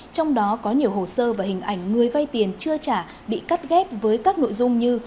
trong đó có nhiều hồ sơ và hình ảnh người vay tiền chưa trả bị cắt ghép với các nội dung như